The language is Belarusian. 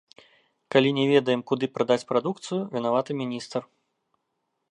Калі не ведаем, куды прадаць прадукцыю, вінаваты міністр.